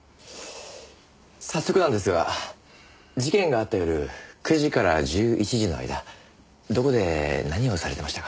早速なんですが事件があった夜９時から１１時の間どこで何をされてましたか？